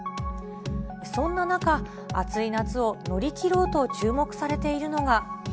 そんな中、暑い夏を乗り切ろうと注目されているのが。